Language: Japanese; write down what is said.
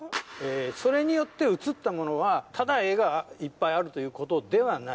それによって映ったものは、ただ絵がいっぱいあるということだけではない。